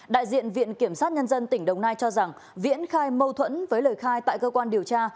đại diện viện kiểm sát nhân dân tỉnh đồng nai cho rằng viễn khai mâu thuẫn với lời khai tại cơ quan điều tra